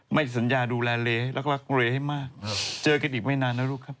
ไม่สัญญาดูแลเลรักเลให้มากเจอกันอีกไม่นานนะลูกครับ